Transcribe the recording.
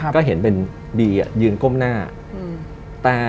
ก็เห็นเป็นบียืนก้มหน้า